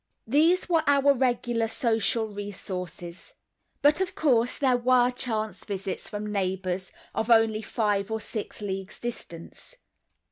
These were our regular social resources; but of course there were chance visits from "neighbors" of only five or six leagues distance.